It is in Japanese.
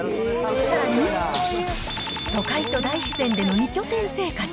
さらに、都会と大自然での２拠点生活。